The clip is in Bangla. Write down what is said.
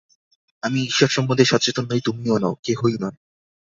আমি ঈশ্বর সম্বন্ধে সচেতন নই, তুমিও নও, কেহই নয়।